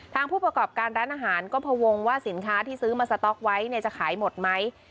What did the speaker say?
ผู้ประกอบการร้านอาหารก็พวงว่าสินค้าที่ซื้อมาสต๊อกไว้จะขายหมดไหม